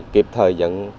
kịp thời dẫn